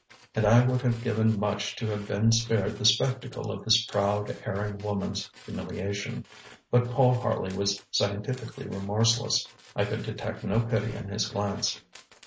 And I would have given much to have been spared the spectacle of this proud, erring woman's humiliation. But Paul Harley was scientifically remorseless. I could detect no pity in his glance.